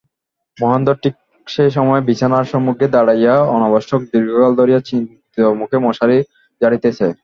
মহেন্দ্র ঠিক সেই সময় বিছানার সম্মুখে দাঁড়াইয়া অনাবশ্যক দীর্ঘকাল ধরিয়া চিন্তিতমুখে মশারি ঝাড়িতেছে।